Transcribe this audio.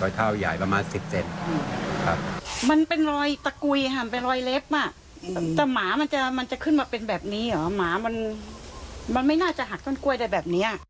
รอยเท้าใหญ่ประมาณสิบเซนครับ